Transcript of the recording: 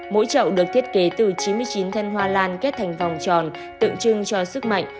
mỗi chậu được thiết kế từ chín mươi chín thân hoa lan kết thành vòng tròn tượng trưng cho sức mạnh